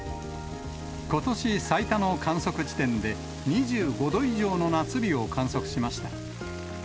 ことし最多の観測地点で、２５度以上の夏日を観測しました。